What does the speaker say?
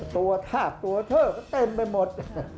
ทาบตัวเธอก็เต็มไปหมด